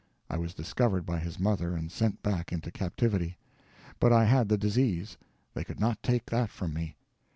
I was discovered by his mother and sent back into captivity. But I had the disease; they could not take that from me.